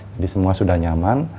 jadi semua sudah nyaman